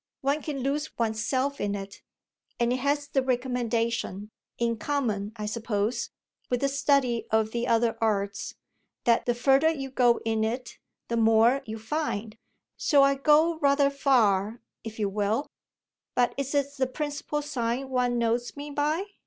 One can lose one's self in it, and it has the recommendation in common, I suppose, with the study of the other arts that the further you go in it the more you find. So I go rather far, if you will. But is it the principal sign one knows me by?"